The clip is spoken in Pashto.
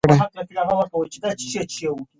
فوسال یا کوچنی فوټبال ډېر پرمختګ کړی.